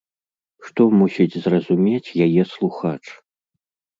Што мусіць зразумець яе слухач?